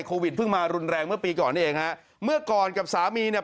เพิ่งมารุนแรงเมื่อปีก่อนนี่เองฮะเมื่อก่อนกับสามีเนี่ย